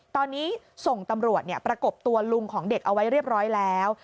ตอนนี้ส่งตำรวจประกบตัวลุงของเด็กเอาไว้เรียบร้อยแล้ว